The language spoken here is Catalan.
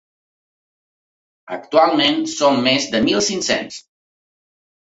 Actualment són més de mil cinc-cents.